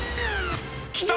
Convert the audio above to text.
［きた！